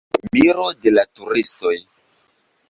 Miro de la turistoj.